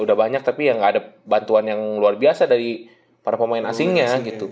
udah mungkin ya kalau dari prawira ya